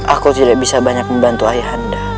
aku tidak bisa mengeluh